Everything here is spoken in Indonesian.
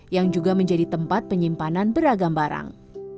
yang juga menjadi tempat penyimpanan beragam barang